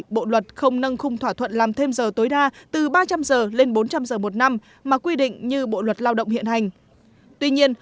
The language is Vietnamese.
bộ luật không nâng khung thỏa thuận